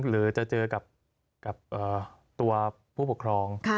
หรือจะเจอกับตัวผู้ปกครอง